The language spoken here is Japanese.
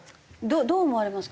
どう思われますか？